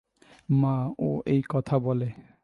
মা ও এই কথা বলে।